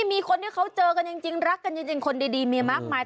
มีคนที่เขาเจอกันจริงรักกันจริงคนดีมีมากมาย